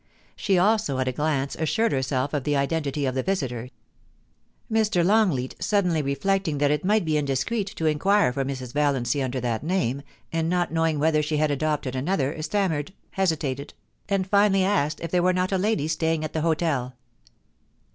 She also at a glance assured herself of the identity of the visitor. Mr. Longleat, suddenly reflecting that it might be indis creet to inquire for Mrs. Valiancy under that name, and not knowing whether she had adopted another, stammered, hesitated, and finally asked if there were not a lady staying at the hotel.